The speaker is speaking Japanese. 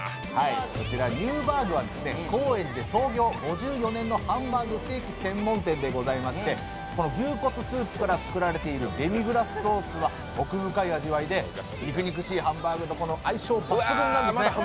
ニューバーグは高円寺創業５４年のハンバーグステーキ専門店でございまして牛骨スープから作られているデミグラスソースは奥深い味わいで肉肉しいハンバーグと相性抜群なんですね。